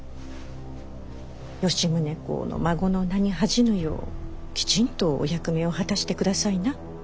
吉宗公の孫の名に恥じぬようきちんとお役目を果たして下さいな。